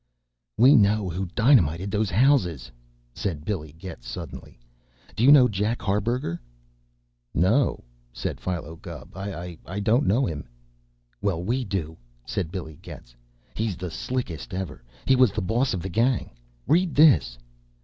"We know who dynamited those houses!" said Billy Getz suddenly. "Do you know Jack Harburger?" "No," said Philo Gubb. "I don't know him." "Well, we do," said Billy Getz. "He's the slickest ever. He was the boss of the gang. Read this!"